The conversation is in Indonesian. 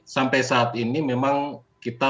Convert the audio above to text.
sampai saat ini memang kita